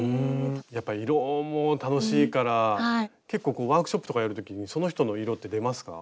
やっぱ色も楽しいから結構ワークショップとかやる時にその人の色って出ますか？